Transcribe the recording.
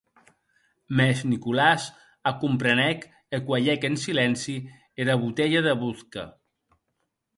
Mès Nicolàs ac comprenèc e cuelhec en silenci era botelha de vodka.